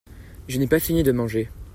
Je n'ai pas fini de manger.